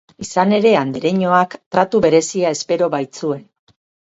Izan ere, andereñoak tratu berezia espero baitzuen.